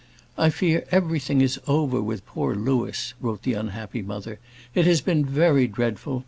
"I fear everything is over with poor Louis," wrote the unhappy mother. "It has been very dreadful.